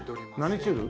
何チュール？